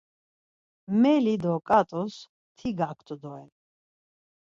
Meli do ǩat̆us ti gaktu doren.